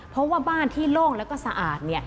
เพราะว่าบ้านที่โล่งแล้วก็สะอาด